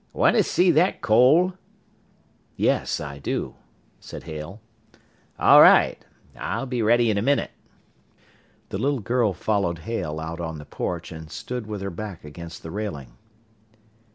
"Want to see that coal?" "Yes, I do," said Hale. "All right, I'll be ready in a minute." The little girl followed Hale out on the porch and stood with her back against the railing.